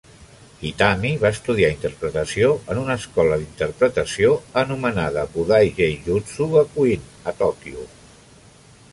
Itami va estudiar interpretació en una escola d'interpretació anomenada Budai Geijutsu Gakuin, a Tòquio.